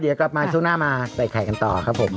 เดี๋ยวกลับมาช่วงหน้ามาใส่ไข่กันต่อครับผม